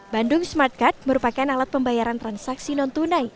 bandung smartcard merupakan alat pembayaran transaksi non tunai